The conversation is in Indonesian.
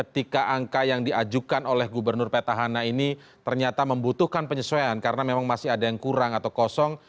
jika angka yang diajukan oleh gubernur petahana ini ternyata membutuhkan penyesuaian karena memang masih ada yang kurang atau kosong